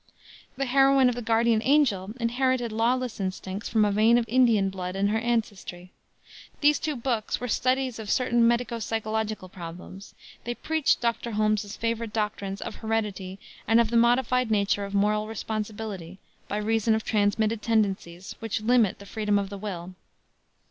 The heroine of the Guardian Angel inherited lawless instincts from a vein of Indian blood in her ancestry. These two books were studies of certain medico psychological problems. They preached Dr. Holmes's favorite doctrines of heredity and of the modified nature of moral responsibility by reason of transmitted tendencies which limit the freedom of the will.